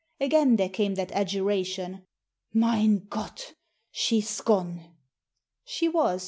Again there came that adjuration, "Mein Gott! — she's gone!" She was.